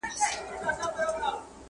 چي هر لوري ته یې واچول لاسونه٫